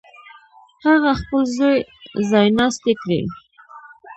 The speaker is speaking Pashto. هغه خپل زوی ځایناستی کړي.